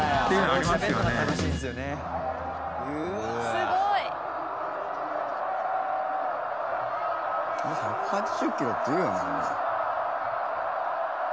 「すごい！」「１８０キロっていうよね」